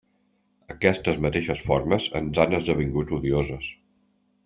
Aquestes mateixes formes ens han esdevingut odioses.